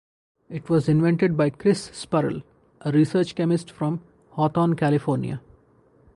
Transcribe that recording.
It was invented by Chris Spurrell, a research chemist from Hawthorne, California.